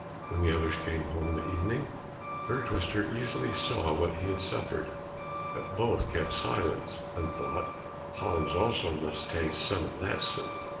When the others came home in the evening, Fir twister easily saw what he had suffered, but both kept silence, and thought, "Hans also must taste some of that soup."